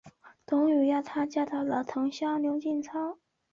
董瑀让她嫁给了同乡刘进超。